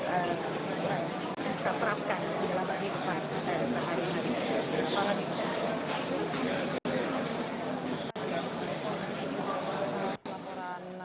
keterampakan dalam kehidupan